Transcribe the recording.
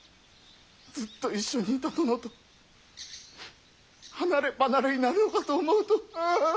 ずっと一緒にいた殿と離れ離れになるのかと思うとうう。